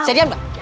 eh sedian mbak